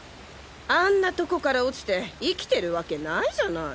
あんなトコから落ちて生きてるワケないじゃない。